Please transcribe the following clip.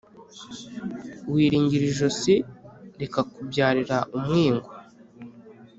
Wiringira ijosi rikakubyarira umwingo.